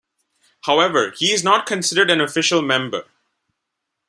However, he is not considered an official member.